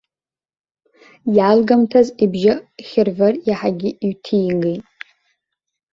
Иалгамҭаз, ибжьы хьырвыр иаҳагьы иҩҭигеит.